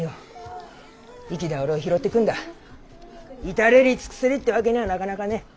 至れり尽くせりってわけにゃあなかなかね。